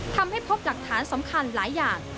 ทำให้พบหลักฐานสำคัญหลายอย่าง